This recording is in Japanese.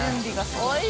すごい。